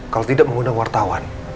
kalo tidak mengundang wartawan